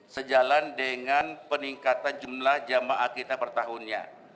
sejalan dengan peningkatan jumlah jamaah kita bertahunnya